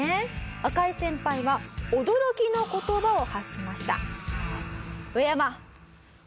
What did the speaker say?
赤井先輩は驚きの言葉を発しました。